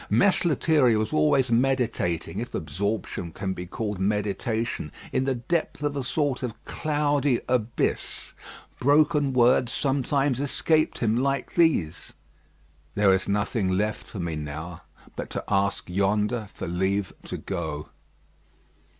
Mess Lethierry was always meditating, if absorption can be called meditation, in the depth of a sort of cloudy abyss. Broken words sometimes escaped him like these, "There is nothing left for me now, but to ask yonder for leave to go."